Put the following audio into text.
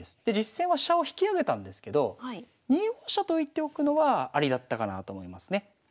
で実戦は飛車を引き揚げたんですけど２四飛車と浮いておくのはありだったかなと思いますね。